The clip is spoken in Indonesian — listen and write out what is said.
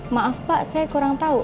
maaf pak saya kurang tahu